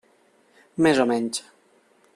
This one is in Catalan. Més o menys.